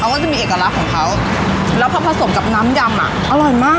ก็จะมีเอกลักษณ์ของเขาแล้วพอผสมกับน้ำยำอ่ะอร่อยมาก